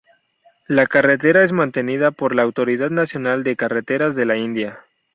La carretera es mantenida por la Autoridad Nacional de Carreteras de la India.